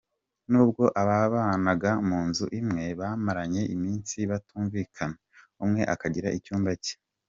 Nubwo babanaga mu nzu imwe, bamaranye iminsi batumvikana, umwe akagira icyumba cye.